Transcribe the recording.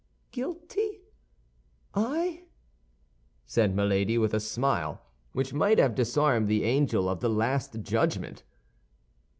"Guilty? I?" said Milady, with a smile which might have disarmed the angel of the last judgment.